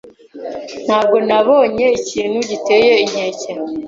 Ntabwo nabonye ikintu giteye inkeke.